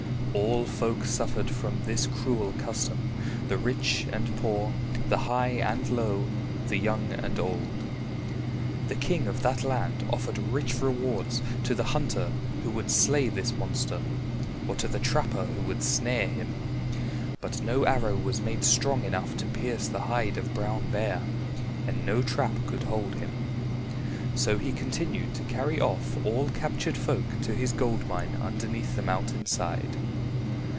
All folk suffered from this cruel custom, the rich and poor, the high and low, the young and old. The king of that land offered rich rewards to the hunter who would slay this monster or to the trapper who would snare him. But no arrow was made strong enough to pierce the hide of Brown Bear and no trap could hold him. So he continued to carry off all captured folk to his gold mine underneath the mountain side.